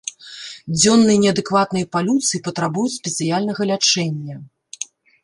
Дзённыя неадэкватныя палюцыі патрабуюць спецыяльнага лячэння.